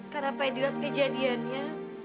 karena pak edi waktu jadiannya